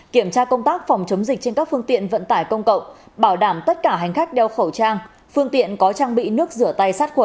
kiểm tra công tác phòng chống dịch trên các phương tiện vận tải công cộng bảo đảm tất cả hành khách đeo khẩu trang phương tiện có trang bị nước rửa tay sát khuẩn